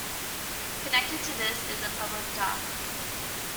Connected to this is a public dock.